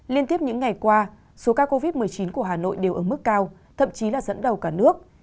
liên tiếp những ngày qua số ca covid một mươi chín của hà nội đều ở mức cao thậm chí là dẫn đầu cả nước